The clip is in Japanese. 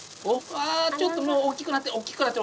ああちょっともう大きくなってる大きくなってる。